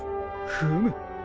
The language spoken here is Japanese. フム。